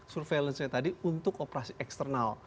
surveillance nya tadi untuk operasi eksternal